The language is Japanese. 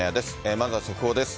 まずは速報です。